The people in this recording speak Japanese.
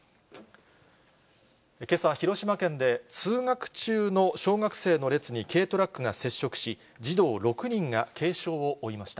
けさ、広島県で通学中の小学生の列に軽トラックが接触し、児童６人が軽傷を負いました。